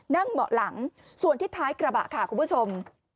เบาะหลังส่วนที่ท้ายกระบะค่ะคุณผู้ชม